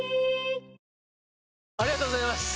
ありがとうございます！